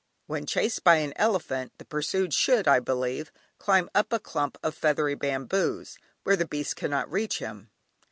When chased by an elephant the pursued should, I believe, climb up a clump of feathery bamboos, where the beast cannot reach him.